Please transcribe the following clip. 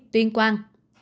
sáu mươi tuyên quan